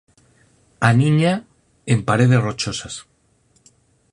Aniña en paredes rochosas.